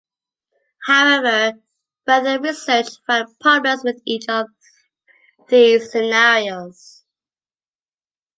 However, further research found problems with each of these scenarios.